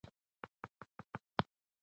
دغو نښو ته حرکات او سکون وايي.